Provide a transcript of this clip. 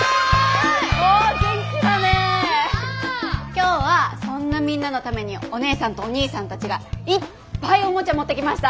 今日はそんなみんなのためにおねえさんとおにいさんたちがいっぱいおもちゃ持ってきました。